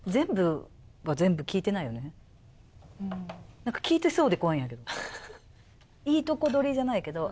何か聞いてそうで怖いんやけど。